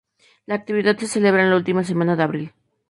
La actividad se celebra en la última semana de abril.